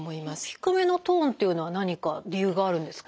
低めのトーンっていうのは何か理由があるんですか？